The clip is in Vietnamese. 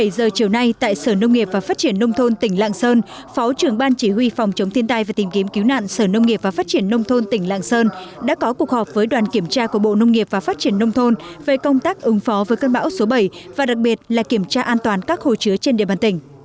bảy giờ chiều nay tại sở nông nghiệp và phát triển nông thôn tỉnh lạng sơn phó trưởng ban chỉ huy phòng chống thiên tai và tìm kiếm cứu nạn sở nông nghiệp và phát triển nông thôn tỉnh lạng sơn đã có cuộc họp với đoàn kiểm tra của bộ nông nghiệp và phát triển nông thôn về công tác ứng phó với cơn bão số bảy và đặc biệt là kiểm tra an toàn các hồ chứa trên địa bàn tỉnh